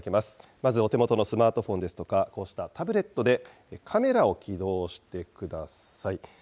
まずお手元のスマートフォンですとか、こうしたタブレットで、カメラを起動してください。